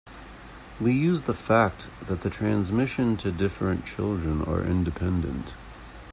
We use the fact that the transmission to different children are independent.